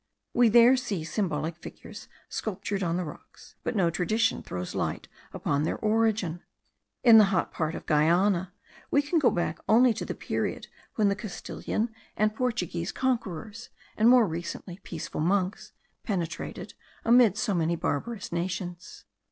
We there see symbolic figures sculptured on the rocks, but no tradition throws light upon their origin. In the hot part of Guiana we can go back only to the period when the Castilian and Portuguese conquerors, and more recently peaceful monks, penetrated amid so many barbarous nations.